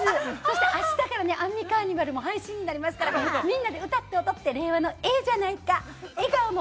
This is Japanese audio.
あしたから『アンミカーニバル』も配信になりますから、みんなで歌って踊って令和のええじゃないか！